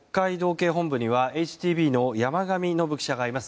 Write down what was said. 警本部にはＨＴＢの山上暢記者がいます。